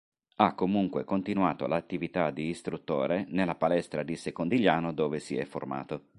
Ha comunque continuato l'attività di istruttore nella palestra di Secondigliano dove si è formato.